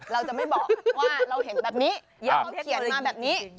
เราจะไม่บอกว่าเราเห็นแบบนี้แล้วเขาเขียนมาแบบนี้